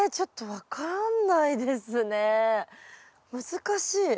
難しい。